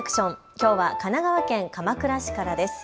きょうは神奈川県鎌倉市からです。